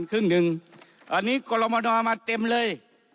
ครึ่งหนึ่งอันนี้กรมนมาเต็มเลย